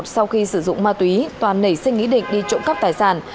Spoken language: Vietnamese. sau khi sử dụng ma túy toàn nảy sinh ý định đi trộm cắp tài sản